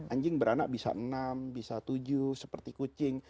anjing beranak bisa enam bisa tujuh seperti kucing